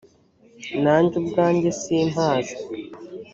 nanjye ubwanjye simpazi.